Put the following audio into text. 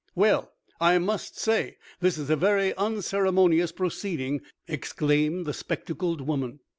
"Well, I must say, this is a very unceremonious proceeding!" exclaimed the spectacled woman.